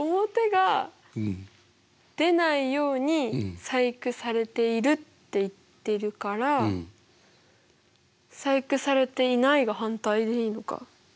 表が出ないように細工されているって言ってるから細工されていないが反対でいいのか？